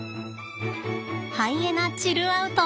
ハイエナチルアウト！